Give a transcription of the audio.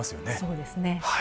そうですね。